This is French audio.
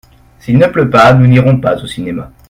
S’il ne pleut pas nous n’irons pas au cinéma.